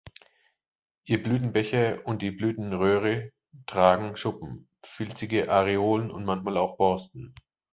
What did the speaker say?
Ihr Blütenbecher und die Blütenröhre tragen Schuppen, filzige Areolen und manchmal auch Borsten.